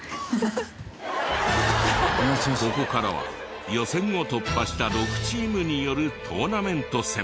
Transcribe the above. ここからは予選を突破した６チームによるトーナメント戦。